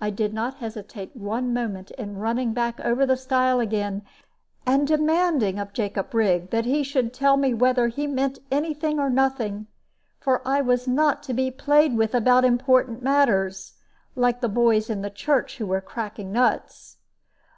I did not hesitate one moment in running back over the stile again, and demanding of Jacob Rigg that he should tell me whether he meant any thing or nothing; for I was not to be played with about important matters, like the boys in the church who were cracking nuts.